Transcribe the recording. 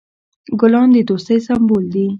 ګلان د دوستی سمبول دي.